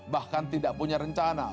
bahkan tidak punya rencana